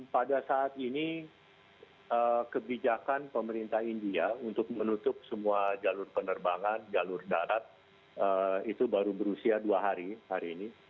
pada saat ini kebijakan pemerintah india untuk menutup semua jalur penerbangan jalur darat itu baru berusia dua hari hari ini